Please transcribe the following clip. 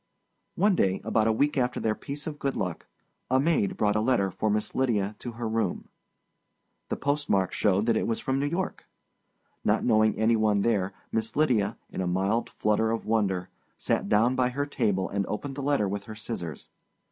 One day, about a week after their piece of good luck, a maid brought a letter for Miss Lydia to her room. The postmark showed that it was from New York. Not knowing any one there, Miss Lydia, in a mild flutter of wonder, sat down by her table and opened the letter with her scissors.